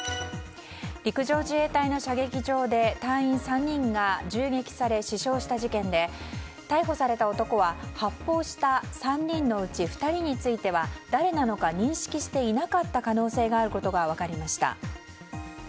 陸上自衛隊の射撃場で隊員３人が銃撃され死傷した事件で、逮捕された男は発砲した３人のうち２人については誰なのか認識していなかった可能性があることが分かりました。